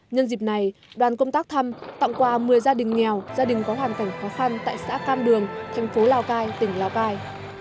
nhân dịp này đoàn công tác thăm tặng quà một mươi gia đình nghèo gia đình có hoàn cảnh khó khăn tại xã cam đường thành phố lào cai tỉnh lào cai